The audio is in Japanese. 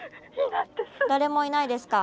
誰もいないですか？